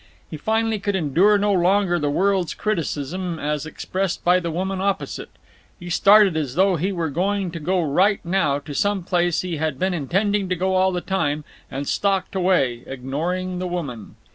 He finally could endure no longer the world's criticism, as expressed by the woman opposite. He started as though he were going to go right now to some place he had been intending to go to all the time, and stalked away, ignoring the woman.